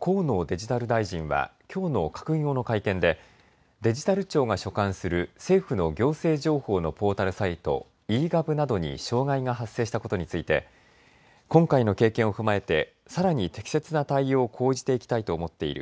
河野デジタル大臣はきょうの閣議後の会見でデジタル庁が所管する政府の行政情報のポータルサイト、ｅ−Ｇｏｖなどに障害が発生したことについて今回の経験を踏まえてさらに適切な対応を講じていきたいと思っている。